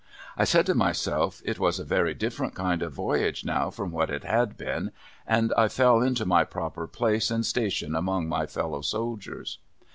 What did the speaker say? I said to myself, it was a very different kind of voyage now, from what it had been ; and I fell into my proper place and station among my fellow soldiers.